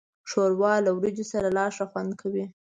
ښوروا له وریجو سره لا خوند کوي.